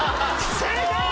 正解！